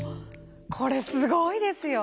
これすごいですよ！